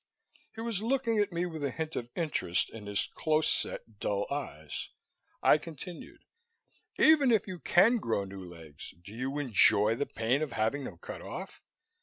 He was looking at me with a hint of interest in his close set, dull eyes. I continued, "Even if you can grow new legs, do you enjoy the pain of having them cut off?